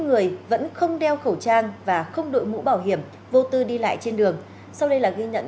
người vẫn không đeo khẩu trang và không đội mũ bảo hiểm vô tư đi lại trên đường sau đây là ghi nhận